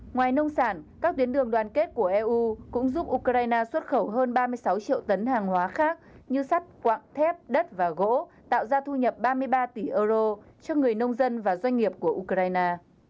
ngoài nông sản các tuyến đường đoàn kết của eu cũng giúp ukraine xuất khẩu hơn ba mươi sáu triệu tấn hàng hóa khác như sắt quạng thép đất và gỗ tạo ra thu nhập ba mươi ba tỷ euro cho người nông dân và doanh nghiệp của ukraine